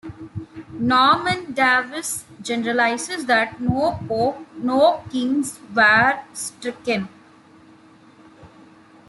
Norman Davies generalises that No pope, no kings were stricken.